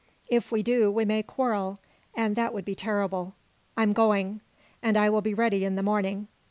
If we do we may quarrel, and that would be terrible. I'm going. And I will be ready in the morning.